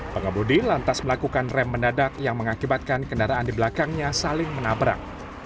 pengebudi lantas melakukan rem mendadak yang mengakibatkan kendaraan di belakangnya saling menabrak